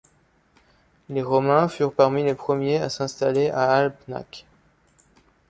Les Romains furent parmi les premiers à s'installer à Alpnach.